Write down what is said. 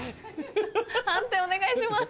判定お願いします。